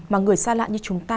mà người xa lạ như chúng ta